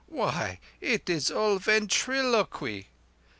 Why, it is all ventri_lo_quy.